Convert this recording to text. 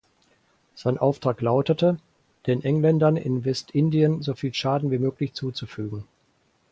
Sein Auftrag lautete, den Engländern in Westindien soviel Schaden wie möglich zuzufügen.